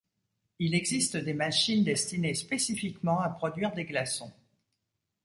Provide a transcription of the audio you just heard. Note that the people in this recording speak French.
Il existe des machines destinées spécifiquement à produire des glaçons.